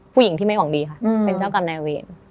ผู้หญิงที่ไม่หวังดีค่ะเป็นเจ้ากรรมนายเวร